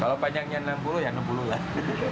kalau panjangnya enam puluh ya enam puluh lah